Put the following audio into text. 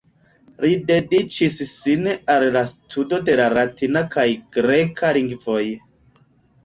Li dediĉis sin al la studo de la latina kaj greka lingvoj.